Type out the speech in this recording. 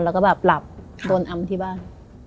แล้วก็แบบหลับโดนอำที่บ้าน